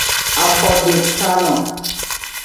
Afodekano.